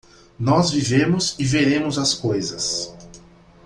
Nós vivemos e veremos as coisas.